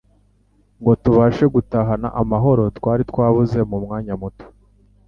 ngo tubashe gutahana amahoro twari twabuze mu mwanya muto.